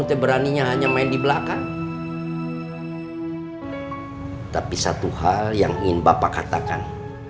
terima kasihnya hanya main di belakang tapi satu hal yang ingin bapak katakan